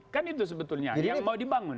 kan itu sebetulnya yang mau dibangun